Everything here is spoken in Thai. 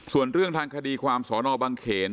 ส่วนเรื่องทางคดีความสนบังเขน